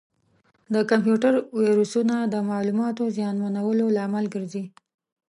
د کمپیوټر ویروسونه د معلوماتو زیانمنولو لامل ګرځي.